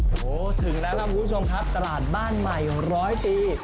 โหถึงแล้วครับคุณผู้ชมตลาดบ้านใหม่ร้อยปี